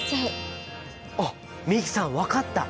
あっ美樹さん分かった！